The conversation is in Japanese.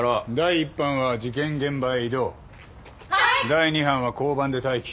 第二班は交番で待機。